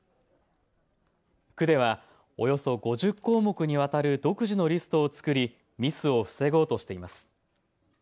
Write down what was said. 区では、およそ５０項目にわたる独自のリストを作りミスを防ごうとしています。